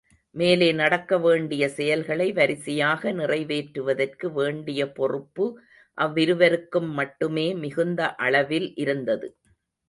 மேலே நடக்கவேண்டிய செயல்களை வரிசையாக நிறைவேற்றுவதற்கு வேண்டிய பொறுப்பு அவ்விருவருக்கும் மட்டுமே மிகுந்த அளவில் இருந்தது.